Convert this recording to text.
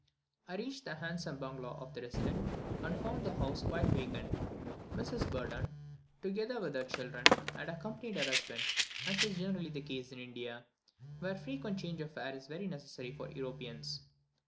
I reached the handsome bungalow of the resident, and found the house quite vacant; Mrs. Burdon, together with her children, had accompanied her husband, as is generally the case in India, where frequent change of air is very necessary for Europeans.